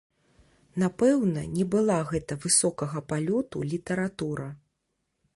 Напэўна не была гэта высокага палёту літаратура.